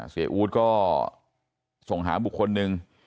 เสียอูตก็ส่งหาบุคคลนึง